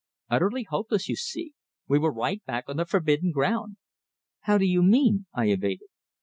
Utterly hopeless, you see! We were right back on the forbidden ground! "How do you mean?" I evaded.